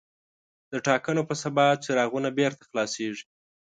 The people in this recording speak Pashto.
د ټاکنو په سبا څراغونه بېرته خلاصېږي.